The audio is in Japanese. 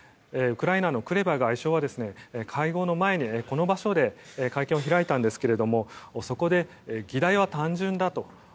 ウクライナのクレバ外相は会合の前にこの場所で会見を開いたんですけどそこで、議題は単純だと。